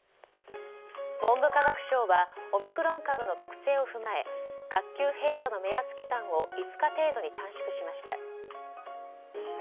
文部科学省はオミクロン株の特性を踏まえ学級閉鎖の目安期間を５日程度に短縮しました。